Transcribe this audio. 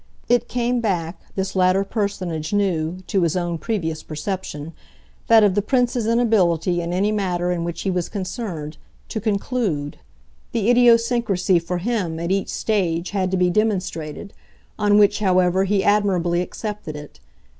It came back, this latter personage knew, to his own previous perception that of the Prince's inability, in any matter in which he was concerned, to CONCLUDE. The idiosyncrasy, for him, at each stage, had to be demonstrated on which, however, he admirably accepted it.